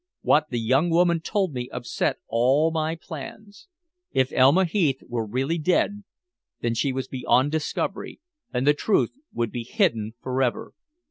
What the young woman told me upset all my plans. If Elma Heath were really dead, then she was beyond discovery, and the truth would be hidden forever.